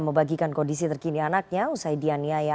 membagikan kondisi terkini anaknya usaidian niyaya